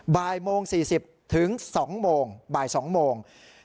บ่ายโมง๔๐ถึง๒โมงบ่าย๒โมง